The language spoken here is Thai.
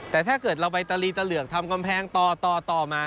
แต่ถ้าเกิดเราไปตะลีตะเหลือกทำกำแพงต่อมา